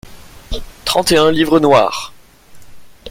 Trente et un livres noirs.